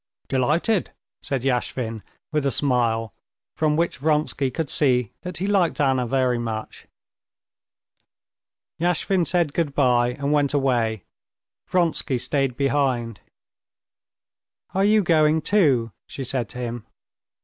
"Delighted," said Yashvin with a smile, from which Vronsky could see that he liked Anna very much. Yashvin said good bye and went away; Vronsky stayed behind. "Are you going too?" she said to him.